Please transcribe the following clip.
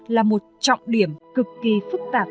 là một trọng điểm cực kỳ phức tạp